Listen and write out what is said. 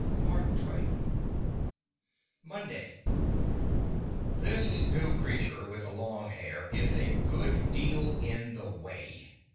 —M. T.] Monday This new creature with the long hair is a good deal in the way.